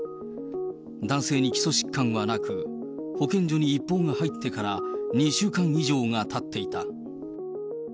男性に基礎疾患はなく、保健所に一報が入ってから２週間以上がたっていた。